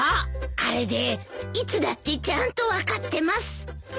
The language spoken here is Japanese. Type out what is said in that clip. あれで「いつだってちゃんと分かってます」だ